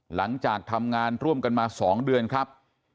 หลังจากทำงานร่วมกันมา๒เดือนครับ